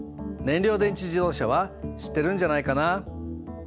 燃料電池自動車は知ってるんじゃないかな。